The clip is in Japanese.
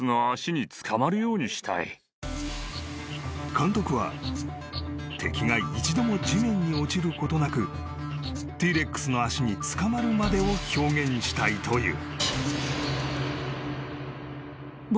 ［監督は敵が一度も地面に落ちることなくＴ−レックスの足に捕まるまでを表現したいという］